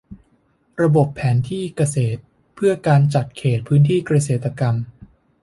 ระบบแผนที่เกษตรเพื่อการจัดเขตพื้นที่เกษตรกรรม